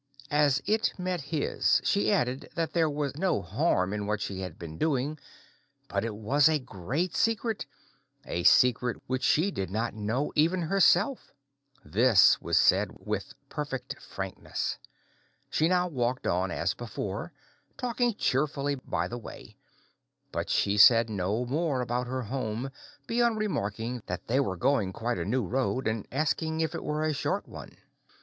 As it met his she added that there was no harm in what she had been doing, but it was a great secret—a secret which she did not even know herself. This was said with perfect frankness. She now walked on as before, talking cheerfully by the way; but she said no more about her home, beyond remarking that they were going quite a new road, and asking if it were a short one.